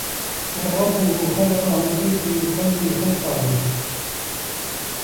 مَنْ رَبُّهُ خَلَقَهُ كَيْفَ يُخَلِّي خَلْقَهُ